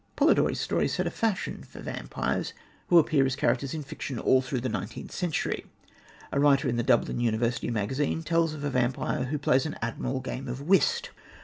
Polidori's story set a fashion in vampires, who appear as characters in fiction all through the nineteenth century. A writer in the Dublin University Magazine tells of a vampire who plays an admirable game of whist!